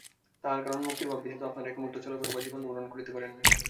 তাহার কারণ মুক্তির ভাব ব্যতীত আপনারা এক মুহূর্তও চলাফেরা বা জীবনধারণ করিতে পারেন না।